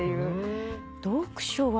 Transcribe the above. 読書は。